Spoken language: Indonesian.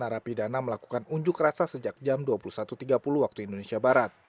narapidana melakukan unjuk rasa sejak jam dua puluh satu tiga puluh waktu indonesia barat